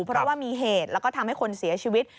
เพราะว่ามีเหตุแล้วก็ทำให้คนเสียชีวิต